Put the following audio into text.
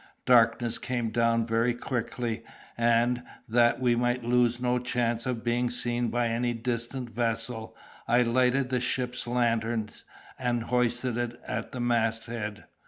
Darkness came down very quickly, and, that we might lose no chance of being seen by any distant vessel, I lighted the ship's lantern and hoisted it at the masthead.